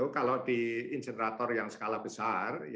kalau di ingenerator yang skala besar